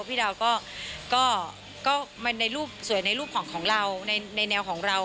พี่ดาวน์ก็สวยในรูปของเราในแนวของเรา